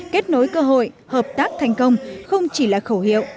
kết nối cơ hội hợp tác thành công không chỉ là khẩu hiệu